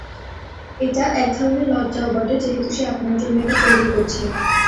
এটা এক ধরনের লজ্জাও বটে যেহেতু সে আপনার জন্য এটা তৈরি করছে।